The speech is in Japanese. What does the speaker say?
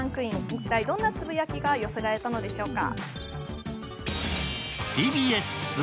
一体どんなつぶやきが寄せられたのでしょうか。